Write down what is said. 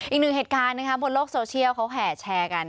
อีกหนึ่งเหตุการณ์นะคะบนโลกโซเชียลเขาแห่แชร์กัน